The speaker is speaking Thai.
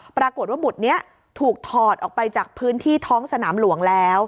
ปรากฏว่าหุดนี้ถูกถอดออกไปจากพื้นที่ท้องสนามหลวงแล้ว